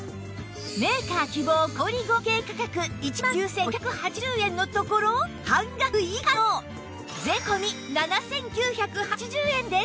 メーカー希望小売合計価格１万９５８０円のところ半額以下の税込７９８０円です